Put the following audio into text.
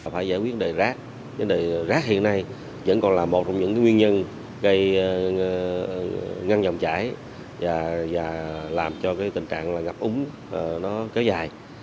phải giải quyết đề rác vấn đề rác hiện nay vẫn còn là một trong những nguyên nhân gây ngăn dòng chảy và làm cho tình trạng ngập úng kéo dài